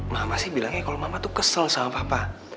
mama sih bilangnya kalau mama tuh kesel sama papa